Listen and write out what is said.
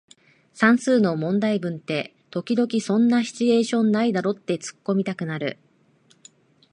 算数の問題文って時々そんなシチュエーションないだろってツッコミたくなる